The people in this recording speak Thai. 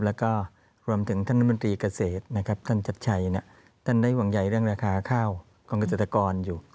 แล้วก็รวมถึงท่านน้ำน้ำตรีเกษตรนะครับท่านจัชไฉท์นี่ท่านได้หวังใหญ่เรื่องราคาข้าวของจุดิบากรอยู่